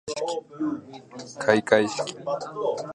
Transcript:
かいかいしき